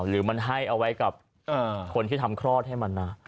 หรือมันให้เอาไว้กับคนที่ทำคลอดให้มันนะ